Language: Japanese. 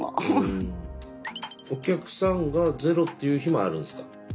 お客さんがゼロっていう日もあるんですか。